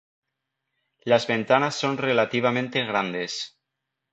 Las ventanas son relativamente grandes.